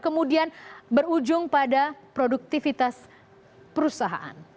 kemudian berujung pada produktivitas perusahaan